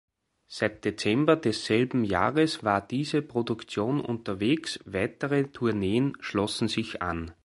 Seit Dezember desselben Jahres war diese Produktion unterwegs, weitere Tourneen schlossen sich an.